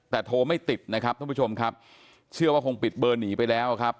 แต่โทรไม่ติดนะครับท่านผู้ชมครับเชื่อว่าคงปิดเบอร์หนีไปแล้วครับ